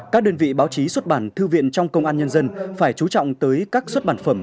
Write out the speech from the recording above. các đơn vị báo chí xuất bản thư viện trong công an nhân dân phải chú trọng tới các xuất bản phẩm